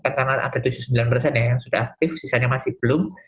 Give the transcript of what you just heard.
sekarang ada dosis sembilan persen yang sudah aktif sisanya masih belum